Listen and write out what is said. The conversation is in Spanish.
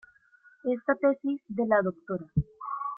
Esta tesis de la Dra.